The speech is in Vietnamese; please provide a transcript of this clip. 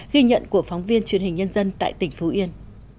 ghi nhận của phóng viên truyền hình nhân dân tại tỉnh phú yên